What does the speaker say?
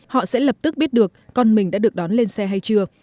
họ sẽ lập tức biết được con mình đã được đón lên xe hay chưa